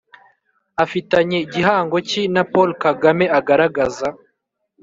afitanye gihango ki na paul kagame agaragaza